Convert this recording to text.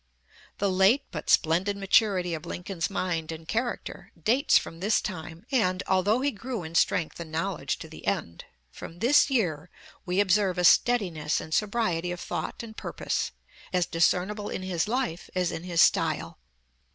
The late but splendid maturity of Lincoln's mind and character dates from this time, and, although he grew in strength and knowledge to the end, from this year we observe a steadiness and sobriety of thought and purpose, as discernible in his life as in his style.